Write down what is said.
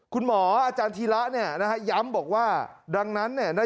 คุณหมออาจารย์ธีระเนี่ยนะฮะย้ำบอกว่าดังนั้นเนี่ย